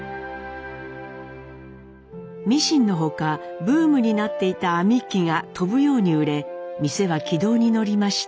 ミシンの他ブームになっていた編み機が飛ぶように売れ店は軌道に乗りました。